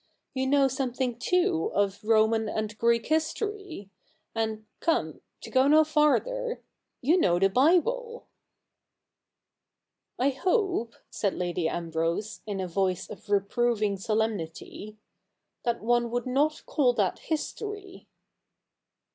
You know something, too, of Roman and Greek history: and, come — to go no farther — you know the Bible.' ' I hope,' said Lady Ambrose, in a voice of reproving solemnity, 'that one would not call that history.'